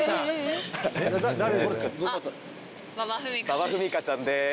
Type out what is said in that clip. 馬場ふみかちゃんです。